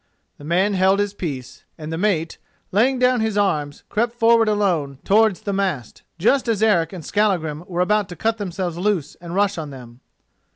The man held his peace, and the mate, laying down his arms, crept forward alone, towards the mast, just as Eric and Skallagrim were about to cut themselves loose and rush on them.